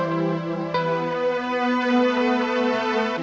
jika tidak tangani